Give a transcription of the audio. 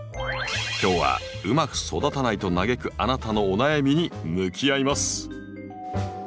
今日はうまく育たないと嘆くあなたのお悩みに向き合います。